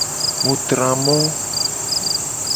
Mu tra mo.